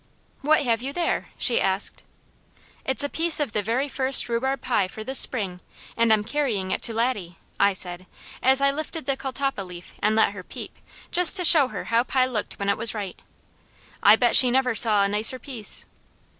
"What have you there?" she asked. "It's a piece of the very first rhubarb pie for this spring, and I'm carrying it to Laddie," I said, as I lifted the catalpa leaf and let her peep, just to show her how pie looked when it was right. I bet she never saw a nicer piece.